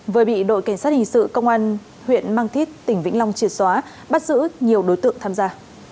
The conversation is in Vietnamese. và cảnh sát hình sự công an huyện mang thít tỉnh vĩnh long triệt xóa bắt giữ nhiều đối tượng tham gia